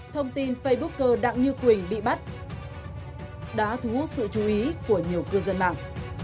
thông tin facebook cơ đặng như quỳnh bị bắt đã thu hút sự chú ý của nhiều cư dân mạng